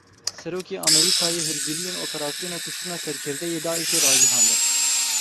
Serokê Amerîkayê hûrgiliyên operasyona kuştina serkirdeyê Daişê ragihandin.